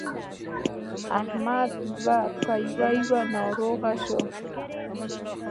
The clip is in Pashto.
احمد يو په يو ناروغ شو.